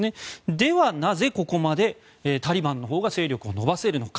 ではなぜここまでタリバンのほうが勢力を伸ばせるのか。